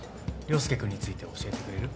椋介君について教えてくれる？